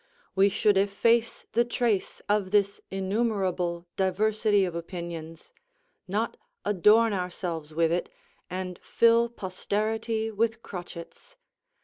We should efface the trace of this innumerable diversity of opinions; not adorn ourselves with it, and fill posterity with crotchets.